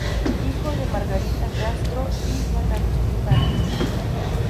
Hijo de Margarita Castro y Juan Agustín Barriga.